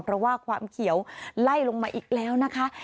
เพราะว่าความเขียวไล่ลงมาอีกแล้วนะคะ